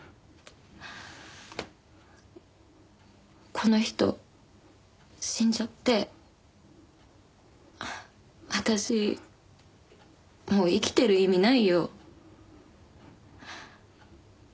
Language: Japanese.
この人死んじゃって私もう生きてる意味ないよ。